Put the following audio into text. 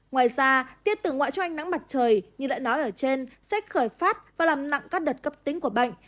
ngoài ra tiết tử ngoại cho ánh nắng mặt trời như đã nói ở trên sẽ khởi phát và làm nặng các đợt cấp tính của bệnh